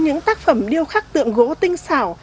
những tác phẩm điêu khắc tượng gỗ tinh xảo